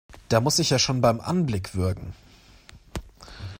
Da muss ich ja schon beim Anblick würgen!